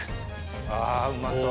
あうまそう。